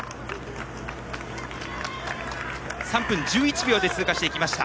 ３分１１秒で通過しました。